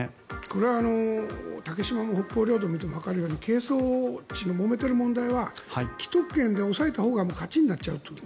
これは竹島も北方領土を見てもわかるように係争地でもめている問題は既得権で押さえたほうが勝ちになるという。